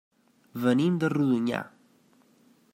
Venim de Rodonyà.